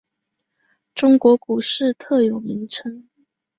中国股市特有名称。